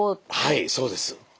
はいそうです。